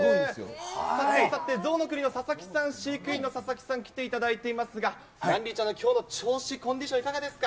さてさて、ぞうの国の佐々木さん、飼育員の佐々木さん、来ていただいていますが、ランディちゃんのきょうの調子、コンディション、いかがですか。